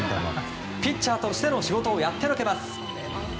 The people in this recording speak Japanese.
ピッチャーとしての仕事をやってのけます。